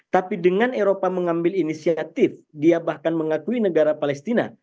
tapi dengan eropa mengambil inisiatif dia bahkan mengakui negara palestina